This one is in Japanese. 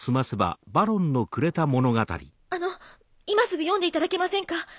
あの今すぐ読んでいただけませんか？